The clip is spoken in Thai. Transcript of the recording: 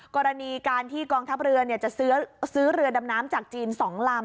กรณีการที่กองทัพเรือจะซื้อเรือดำน้ำจากจีน๒ลำ